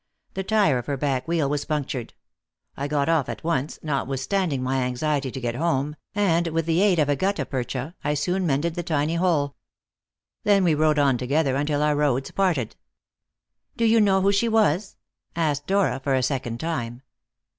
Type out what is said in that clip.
The tyre of her back wheel was punctured. I got off at once, notwithstanding my anxiety to get home, and, with the aid of guttapercha, I soon mended the tiny hole. Then we rode on together until our roads parted." "Do you know who she was?" asked Dora for a second time.